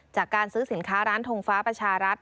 จากการซื้อสินค้าร้านทงฟ้าประชารัฐ